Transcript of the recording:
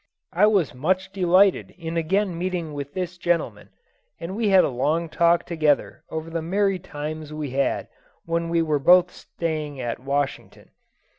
I was much delighted in again meeting with this gentleman, and we had a long talk together over the merry times we had when we were both slaying at Washington.